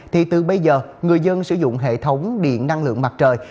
thì từ bây giờ người dân sử dụng hệ thống điện năng lượng mặt trời